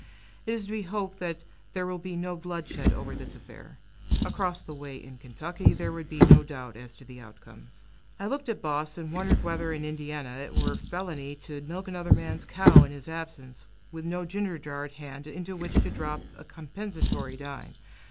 It is to be hoped that there will be no bloodshed over this affair; across the way, in Kentucky, there would be no doubt as to the outcome. I looked at Boss, and wondered whether in Indiana it were felony to milk another man's cow in his absence, with no ginger jar at hand, into which to drop a compensatory dime.